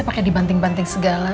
pake dibanting banting segala